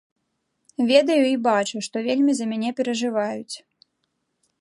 Ведаю і бачу, што вельмі за мяне перажываюць.